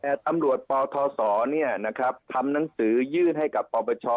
แต่ตำรวจปศเนี่ยทำหนังสือยื่นให้กับพปช